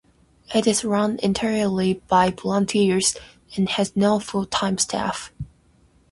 It is run entirely by volunteers and has no full-time staff.